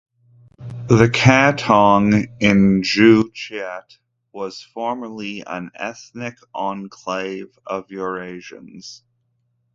The Katong in Joo Chiat was formally an ethnic enclave of the Eurasians.